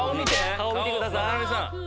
顔見てください。